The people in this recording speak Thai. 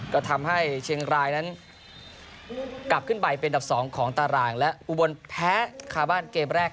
ก็ทำให้เชียงรายนั้นกลับขึ้นไปเป็นดับสองของตารางและอุบลแพ้คาบ้านเกมแรก